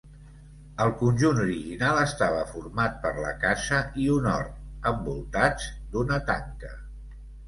El conjunt original estava format per la casa i un hort, envoltats d'una tanca.